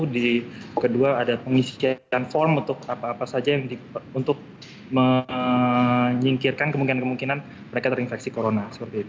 di kedua ada pengisian form untuk apa apa saja untuk menyingkirkan kemungkinan kemungkinan mereka terinfeksi corona